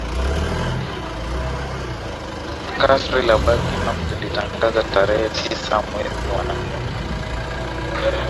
kasri la buckingham lilitangaza tarehe tisa mwezi wa nne